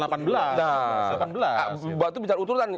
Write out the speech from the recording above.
itu bicara uturutan